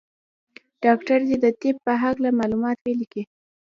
ډاکټر دي د طب په هکله معلومات ولیکي.